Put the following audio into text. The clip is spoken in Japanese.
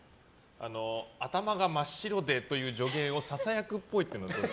頭が真っ白でという助言をささやくっぽい。